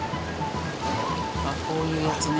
あっこういうやつね。